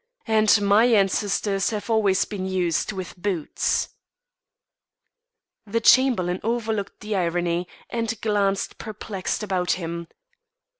_ and my ancestors have always been used with boots." The Chamberlain overlooked the irony and glanced perplexed about him.